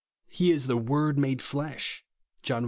He is "the Word made flesh" (John i.